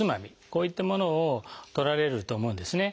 こういったものをとられると思うんですね。